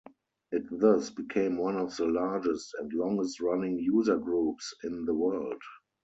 It thus became one of the largest and longest-running user groups in the world.